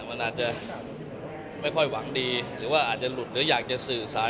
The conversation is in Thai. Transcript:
มันอาจจะไม่ค่อยหวังดีหรือว่าอาจจะหลุดหรืออยากจะสื่อสาร